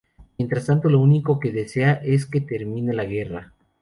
Mientras tanto lo único que desea es que termine la guerra.